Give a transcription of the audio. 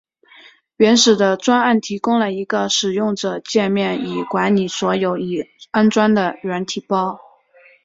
原始的专案提供了一个使用者介面以管理所有已安装的软体包。